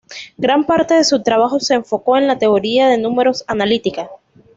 Gran parte de su trabajo se enfocó en la teoría de números analítica.